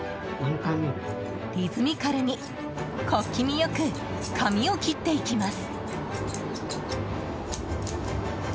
リズミカルに小気味よく髪を切っていきます。